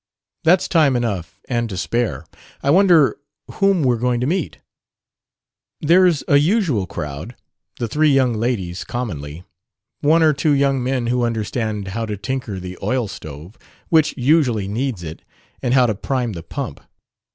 "That's time enough, and to spare. I wonder whom we're going to meet." "There's a 'usual crowd': the three young ladies, commonly; one or two young men who understand how to tinker the oil stove which usually needs it and how to prime the pump.